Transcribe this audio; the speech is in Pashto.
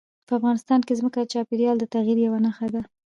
په افغانستان کې ځمکه د چاپېریال د تغیر یوه نښه ده.